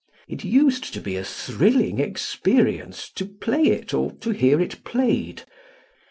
It used to be a thrilling experience to play it or to hear it played.